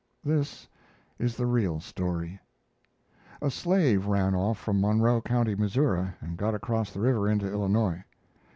This is the real story: A slave ran off from Monroe County, Missouri, and got across the river into Illinois.